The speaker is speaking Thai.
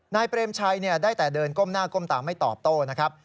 เปรมชัยได้แต่เดินก้มหน้าก้มตาไม่ตอบโต้นะครับ